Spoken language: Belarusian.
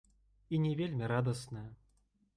І не вельмі радасная.